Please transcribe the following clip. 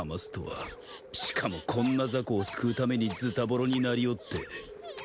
しかもこんなザコを救うためにズタボロになりおって。